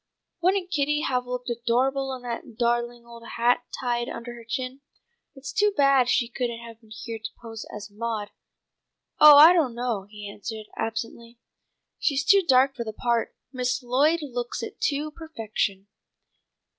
"Wouldn't Kitty have looked adorable in that darling old hat tied under her chin? It's too bad she couldn't have been here to pose as Maud." "Oh, I don't know," he answered absently. "She's too dark for the part. Miss Lloyd looks it to perfection."